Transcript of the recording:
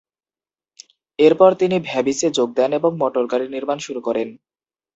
এরপর তিনি ভ্যাবিসে যোগ দেন এবং মোটরগাড়ি নির্মাণ শুরু করেন।